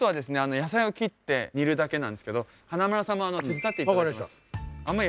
野菜を切って煮るだけなんですけど華丸さんも手伝っていただきます。